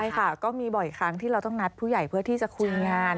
ใช่ค่ะก็มีบ่อยครั้งที่เราต้องนัดผู้ใหญ่เพื่อที่จะคุยงาน